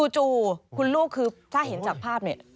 จู่คุณลูกคือถ้าเห็นจากภาพเนี่ย